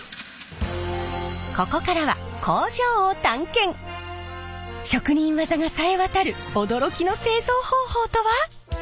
ここからは職人技がさえ渡る驚きの製造方法とは？